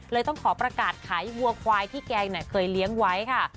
ต้องขอประกาศขายวัวควายที่แกงเคยเลี้ยงไว้ค่ะ